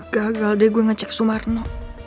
gagal deh gue ngecek sumarno